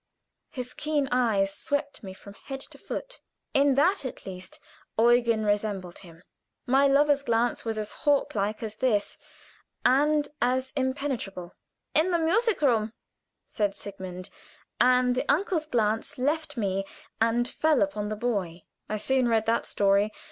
His keen eyes swept me from head to foot. In that, at least, Eugen resembled him; my lover's glance was as hawk like as this, and as impenetrable. "In the music room," said Sigmund; and the uncle's glance left me and fell upon the boy. I soon read that story.